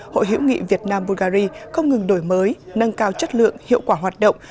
hội hiểu nghị việt nam bulgari không ngừng đổi mới nâng cao chất lượng hiệu quả hoạt động